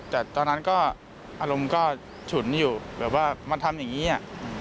แต่ตอนนั้นก็อารมณ์ก็ฉุนอยู่แบบว่ามันทำอย่างนี้อ่ะ